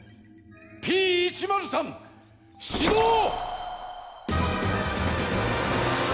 Ｐ１０３しどう！